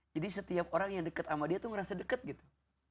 jadi setiap orang yang dekat sama dia tuh ngerasa dekat gitu